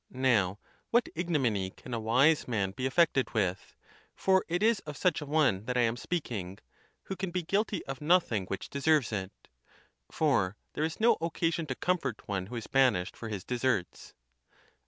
Now, what ignominy can a wise man be affected with (for it is of such a one that I am speak ing) who can be guilty of nothing which deserves it? for there is no occasion to comfort one who is banished for his deserts.